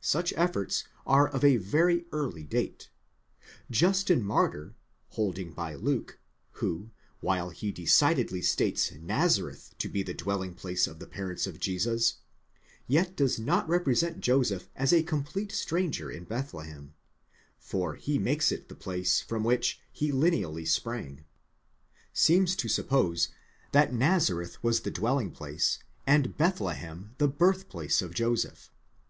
Such efforts are of avery early date. Justin Martyr, holding by Luke, who, while he decidedly states Nazareth to be the dwelling place of the parents of Jesus, yet does not represent Joseph as a complete stranger in Bethlehem (for he makes it the place from which he lineally sprang), seems to suppose that Nazareth was the dwelling place and Bethlehem the birth place of Joseph